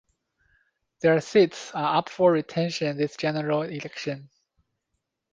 Their seats are up for retention this general election.